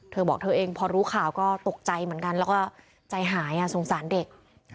เธอบอกเธอเองพอรู้ข่าวก็ตกใจเหมือนกันแล้วก็ใจหายสงสารเด็ก